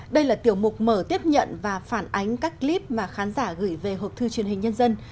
đây là tiểu mục mở tiếp nhận và phản ánh các clip mà khán giả gửi về học thư truyền hình nhân dân